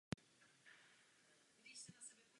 Většina časů je ohraničena současností.